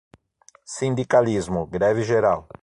Sindicalismo, greve geral